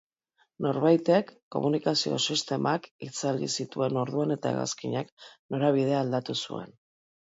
Norbaitek komunikazio sistemak itzali zituen orduan, eta hegazkinak norabidea aldatu zuen.